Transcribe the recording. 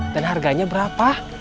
dan harganya berapa